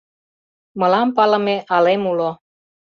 Мылам палыме алем уло: